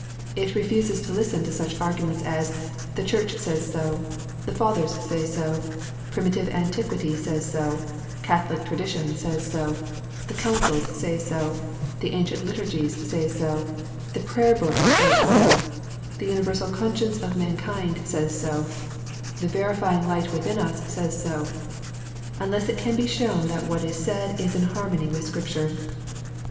It refuses to listen to such arguments as "the Church says so," "the Fathers say so," "primitive antiquity says so," "Catholic tradition says so," "the Councils say so," "the ancient liturgies say so," "the Prayer book says so," "the universal conscience of mankind says so," " the verifying light within says so," unless it can be shown that what is said is in harmony with Scripture.